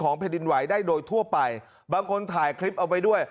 แผ่นดินไหวได้โดยทั่วไปบางคนถ่ายคลิปเอาไว้ด้วย